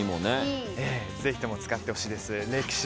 ぜひとも使ってほしいです。